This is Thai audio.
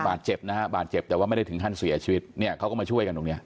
บาดเจ็บนะฮะบาดเจ็บแต่ว่าไม่ได้ถึงขั้นเสียชีวิตเนี่ยเขาก็มาช่วยกันตรงเนี้ย